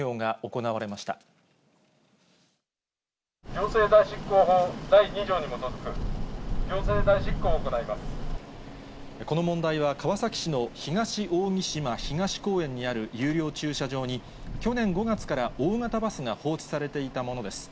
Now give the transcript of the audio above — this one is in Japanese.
行政代執行法第２条に基づくこの問題は、川崎市の東扇島東公園にある有料駐車場に、去年５月から大型バスが放置されていたものです。